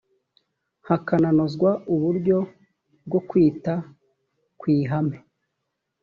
hananozwa uburyo bwo kwita ku ihame